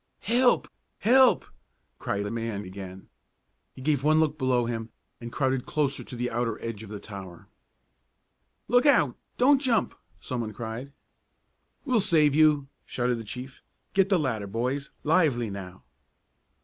"Help! Help!" cried the man again. He gave one look below him and crowded closer to the outer edge of the tower. "Look out! Don't jump!" someone cried. "We'll save you!" shouted the chief. "Get the ladder, boys! Lively now!"